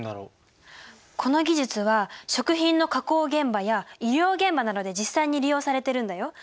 この技術は食品の加工現場や医療現場などで実際に利用されてるんだよ。